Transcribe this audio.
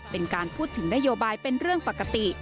เป็นการพูดถึงนโยบายเป็นเรื่องปกติ